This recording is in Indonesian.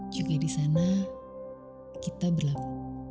juga di sana kita berlabuh